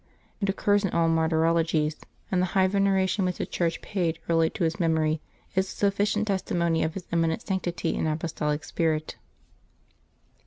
It occurs in all martyrologies, and the high veneration which the Church paid early to his memory is a sufficient testimony of his eminent sanctity and apostolic spirit.